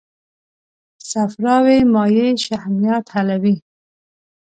صفراوي مایع شحمیات حلوي.